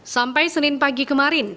sampai senin pagi kemarin